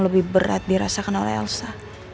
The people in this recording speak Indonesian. lebih berat dirasakan oleh elsa